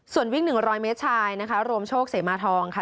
ส่วนวิ่ง๑๐๐เมตรชายนะคะรวมโชคเสมาทองค่ะ